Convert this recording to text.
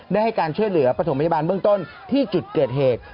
ได้ให้การช่วยเหลือประถมพยาบาลเบื้องต้นที่จุดเกิดเหตุ